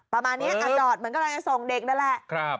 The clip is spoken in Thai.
ประมาณนี้อันดอดเหมือนกระดายส่งเด็กนั่นแหละ